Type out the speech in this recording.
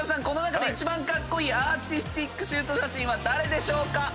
この中で一番カッコイイアーティスティックシュート写真は誰でしょうか？